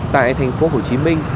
tại thành phố hồ chí minh